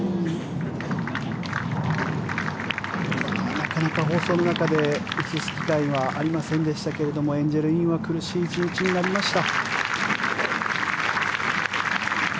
なかなか放送の中で映す機会はありませんでしたがエンジェル・インは苦しい１日になりました。